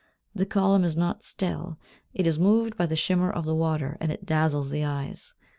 The column is not still, it is moved by the shimmer of the water, and it dazzles the eyes.